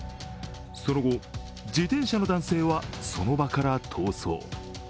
その後、自転車の男性はその場から逃走。